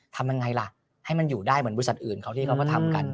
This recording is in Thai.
ทำยังไงล่ะให้มันอยู่ได้เหมือนบริษัทอื่นเขาที่เขาก็ทำกัน